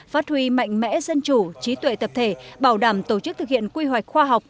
phát huy mạnh mẽ dân chủ trí tuệ tập thể bảo đảm tổ chức thực hiện quy hoạch khoa học